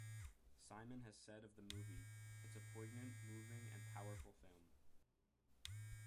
Simon has said of the movie: It's a poignant, moving, and powerful film.